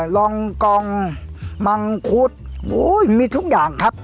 รองกองมังคุดมีทุกอย่างครับ